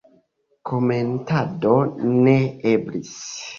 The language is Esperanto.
Komentado ne eblis.